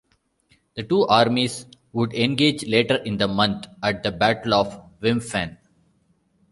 The two armies would engage later in the month at the Battle of Wimpfen.